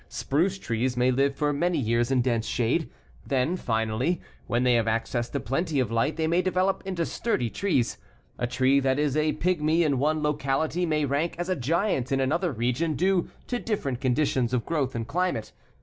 Spruce trees may live for many years in dense shade. Then finally, when they have access to plenty of light they may develop into sturdy trees. A tree that is a pigmy in one locality may rank as a giant in another region due to different conditions of growth and climate.